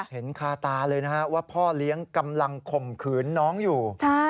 เห็นคาตาเลยนะฮะว่าพ่อเลี้ยงกำลังข่มขืนน้องอยู่